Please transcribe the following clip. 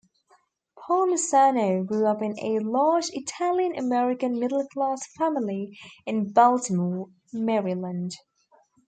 Palmisano grew up in a large Italian-American middle class family in Baltimore, Maryland.